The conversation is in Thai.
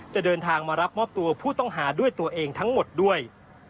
จะเดินทางมารับมอบตัวผู้ต้องหาด้วยตัวเองทั้งหมดด้วย